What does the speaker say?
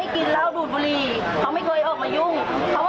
พอเข้าบ้านเราก็จะปิดประตูล็อคเลย